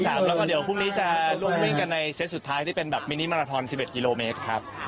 แล้วก็เดี๋ยวพรุ่งนี้จะร่วมวิ่งกันในเซตสุดท้ายที่เป็นแบบมินิมาราทอน๑๑กิโลเมตรครับ